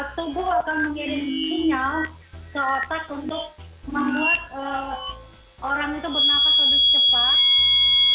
tubuh akan menjadi sinyal ke otak untuk membuat orang itu bernafas lebih cepat